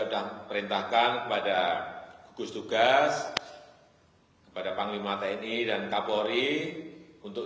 sudah perintahkan kepada gugus tugas kepada panglima tni dan kapolri untuk